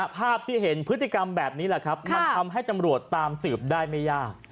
ภาพที่เห็นพฤติกรรมแบบนี้แหละครับมันทำให้ตำรวจตามสืบได้ไม่ยาก